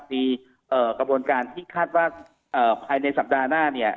มีกระบวนการที่คาดว่าภายในสัปดาห์หน้าเนี่ย